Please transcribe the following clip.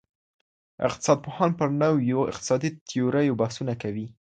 اقتصاد پوهان پر نویو اقتصادي تیوریو بحثونه کوي.